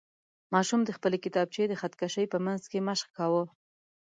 ماشوم د خپلې کتابچې د خط کشۍ په منځ کې مشق کاوه.